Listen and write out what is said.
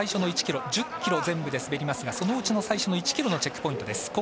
１０ｋｍ全部で滑りますがそのうちの最初の１ｋｍのチェックポイントです。